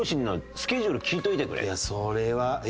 「スケジュール聞いといて」。